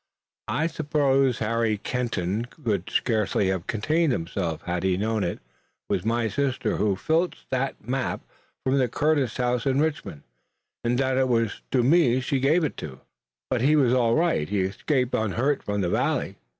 I suppose Harry Kenton could scarcely have contained himself had he known it was my sister who filched that map from the Curtis house in Richmond and that it was to me she gave it." "But he was all right? He escaped unhurt from the Valley?"